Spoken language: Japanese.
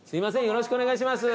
よろしくお願いします。